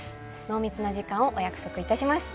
濃密な時間をお約束いたします